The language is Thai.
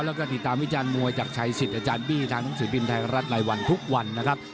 และติดตามวิจารณ์มวยจากชายสิทธิ์อาจารย์บี่ทางหนังสือตีนไทยรัฐไลวันทุกวัน